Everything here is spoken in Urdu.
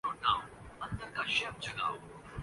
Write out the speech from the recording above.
ریچھ اور شکار ہونے والے